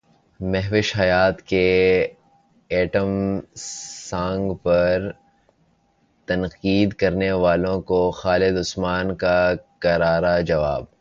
مہوش حیات کے item song پر تنقید کرنے والوں کو خالد عثمان کا کرارا جواب